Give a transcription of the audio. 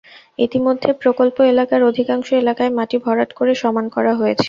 ইতিমধ্যে প্রকল্প এলাকার অধিকাংশ এলাকায় মাটি ভরাট করে সমান করা হয়েছে।